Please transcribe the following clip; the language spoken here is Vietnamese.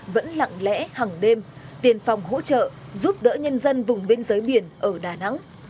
vẫn lặng lẽ hàng đêm tiền phòng hỗ trợ giúp đỡ nhân dân vùng biên giới biển ở đà nẵng